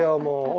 もう。